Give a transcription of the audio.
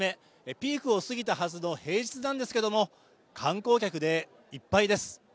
ピークを過ぎたはずの平日なんですけれども、観光客でいっぱいです。